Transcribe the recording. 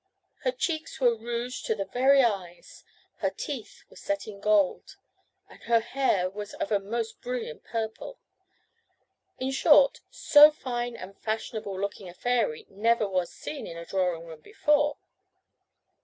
Her cheeks were rouged to the very eyes, her teeth were set in gold, and her hair was of a most brilliant purple; in short, so fine and fashionable looking a fairy never was seen in a drawing room before.